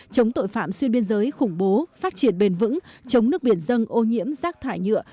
chống tội phạm xuyên biên giới khủng bố phát triển bền vững chống nước biển dân ô nhiễm rác thải nhựa